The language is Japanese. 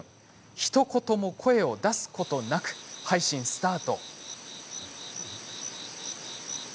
ひと言も声を出すことなく配信スタート。